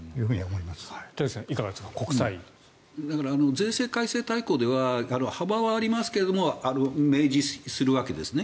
税制改正大綱では幅はありますけど明示するわけですね。